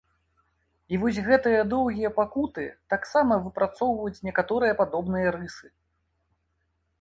І вось гэтыя доўгія пакуты таксама выпрацоўваюць некаторыя падобныя рысы.